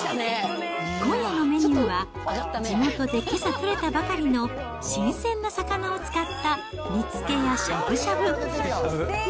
今夜のメニューは、地元でけさ取れたばかりの新鮮な魚を使った煮つけやしゃぶしゃぶ。